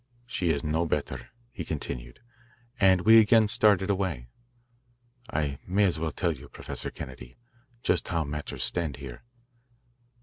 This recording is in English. "She is no better," he continued, as we again started away. "I may as well tell you, Professor Kennedy, just how matters stand here.